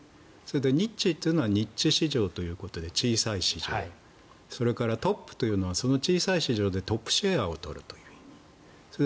ニッチというのはニッチ市場ということで小さい市場それからトップというのは小さい市場でトップシェアを取るということ。